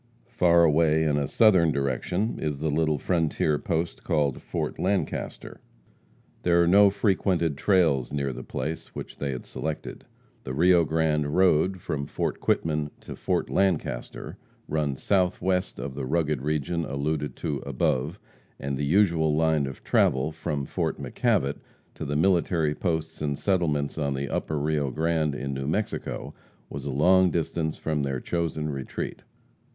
Far away in a southern direction is the little frontier post called Fort Lancaster. There are no frequented trails near the place which they had selected. The Rio Grande road, from Fort Quitman to Fort Lancaster, runs southwest of the rugged region alluded to above, and the usual line of travel from Fort McKavitt to the military posts and settlements on the Upper Rio Grande, in New Mexico, was a long distance from their chosen retreat.